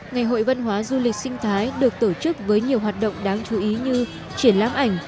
ngày hội văn hóa du lịch sinh thái được tổ chức với nhiều hoạt động đáng chú ý như triển lãm ảnh